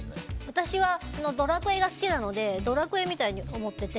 私は「ドラクエ」が好きなので「ドラクエ」みたいに思ってて。